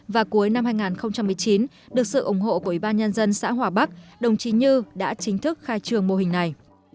và cuối năm hai nghìn một mươi chín được sự ủng hộ của ủy ban nhân dân xã hòa bắc đồng chí như đã chính thức khai trường mô hình này